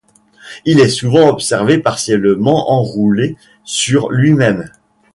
Il est souvent observé partiellement enroulé sur lui-même.